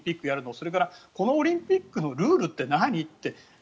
それからこのオリンピックのルールって何？って。